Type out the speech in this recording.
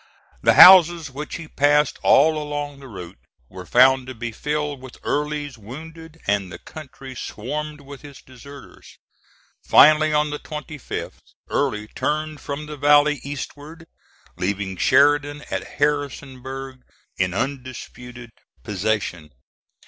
The houses which he passed all along the route were found to be filled with Early's wounded, and the country swarmed with his deserters. Finally, on the 25th, Early turned from the valley eastward, leaving Sheridan at Harrisonburg in undisputed possession.